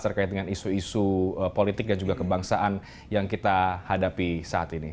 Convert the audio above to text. terkait dengan isu isu politik dan juga kebangsaan yang kita hadapi saat ini